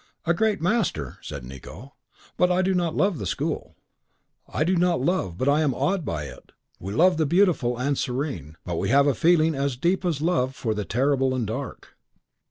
"A great master," said Nicot, "but I do not love the school." "I do not love, but I am awed by it. We love the beautiful and serene, but we have a feeling as deep as love for the terrible and dark."